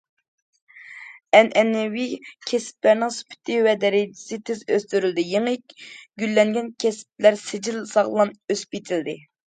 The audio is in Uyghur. ئەنئەنىۋى كەسىپلەرنىڭ سۈپىتى ۋە دەرىجىسى تېز ئۆستۈرۈلدى، يېڭى گۈللەنگەن كەسىپلەر سىجىل ساغلام ئۆسۈپ يېتىلدى.